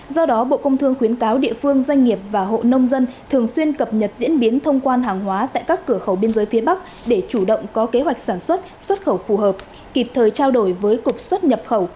do đó bộ công thương khuyến cáo địa phương doanh nghiệp và hộ nông dân thường xuyên cập nhật diễn biến thông quan hàng hóa tại các cửa khẩu biên giới phía bắc để chủ động có kế hoạch sản xuất xuất khẩu phù hợp kịp thời trao đổi với cục xuất nhập khẩu